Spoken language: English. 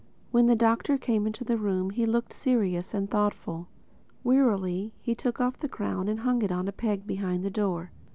When the Doctor came into the room he looked serious and thoughtful. Wearily he took off his crown and hung it on a peg behind the door.